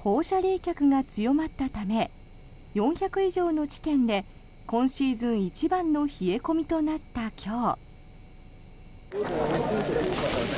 放射冷却が強まったため４００以上の地点で今シーズン一番の冷え込みとなった今日。